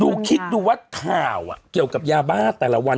คิดดูว่าข่าวเกี่ยวกับยาบ้าแต่ละวัน